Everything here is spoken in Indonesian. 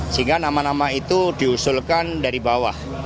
sehingga nama nama itu diusulkan dari bawah